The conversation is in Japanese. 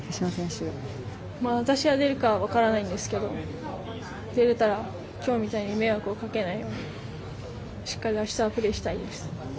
私は出るか分からないんですけど出られたら今日みたいに迷惑をかけないようにしっかり明日はプレーしたいです。